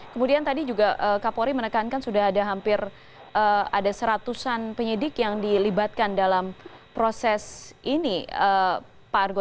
kemudian tadi juga kapolri menekankan sudah ada hampir ada seratusan penyidik yang dilibatkan dalam proses ini pak argo